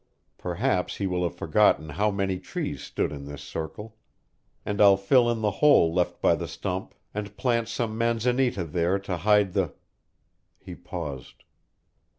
Perhaps he will have forgotten how many trees stood in this circle. And I'll fill in the hole left by the stump and plant some manzanita there to hide the " He paused.